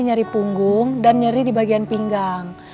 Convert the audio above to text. nyari punggung dan nyeri di bagian pinggang